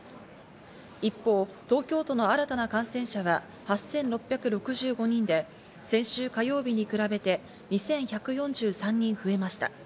一方、東京都の新たな感染者は８６６５人で、先週火曜日に比べて２１４３人増えました。